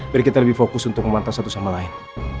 mari kita lebih fokus untuk memantau satu sama lain